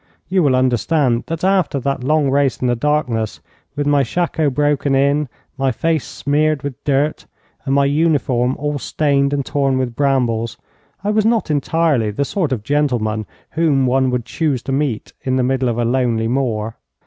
You will understand that after that long race in the darkness, with my shako broken in, my face smeared with dirt, and my uniform all stained and torn with brambles, I was not entirely the sort of gentleman whom one would choose to meet in the middle of a lonely moor.